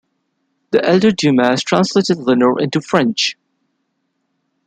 The elder Dumas translated "Lenore" into French.